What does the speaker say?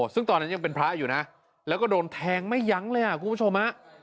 ซึ่งตอนนั้นยังเป็นพระอยู่นะแล้วก็โดนแทงไม่ยั้งเลยอ่ะคุณผู้ชมฮะ